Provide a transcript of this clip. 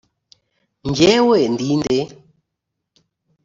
jyewe ndi nde?